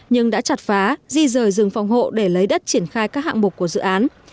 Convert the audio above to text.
nhưng đã chặt phá di rời rừng phòng hộ để lấy đất triển khai các hạng mục của dự án